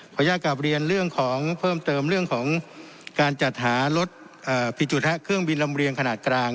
อนุญาตกลับเรียนเรื่องของเพิ่มเติมเรื่องของการจัดหารถผิดจุดเครื่องบินลำเรียงขนาดกลาง